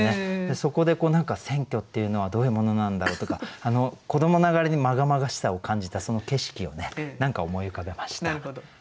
そこで何か選挙っていうのはどういうものなんだろうとか子どもながらにまがまがしさを感じたその景色を何か思い浮かべました。